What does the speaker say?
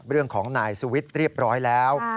เรื่องของนายสุวิทย์เรียบร้อยแล้ว